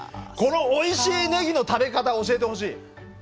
このおいしいネギの食べ方教えてほしい！